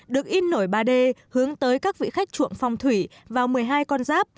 được in nổi ba d hướng tới các vị khách chuộng phong thủy vào một mươi hai con giáp